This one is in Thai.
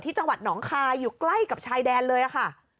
จังหวัดหนองคายอยู่ใกล้กับชายแดนเลยค่ะ